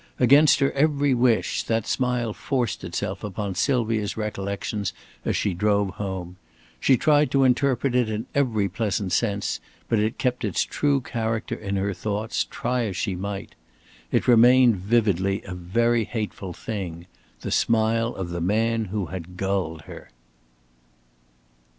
Against her every wish, that smile forced itself upon Sylvia's recollections as she drove home. She tried to interpret it in every pleasant sense, but it kept its true character in her thoughts, try as she might. It remained vividly a very hateful thing the smile of the man who had gulled her.